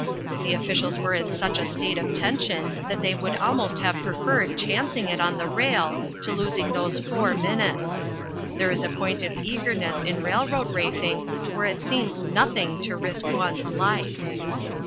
The officials were in such a state of tension that they would almost have preferred chancing it on the rail to losing those four minutes. There is a point of eagerness in railroad racing where it seems nothing to risk one's life!